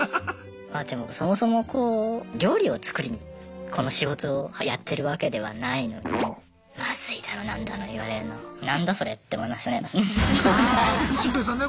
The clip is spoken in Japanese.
まあでもそもそもこう料理を作りにこの仕事をやってるわけではないのにまずいだの何だの言われるのは「何だそれ」って思いましたね。